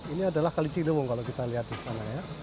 ini adalah kali ciliwung kalau kita lihat di sana ya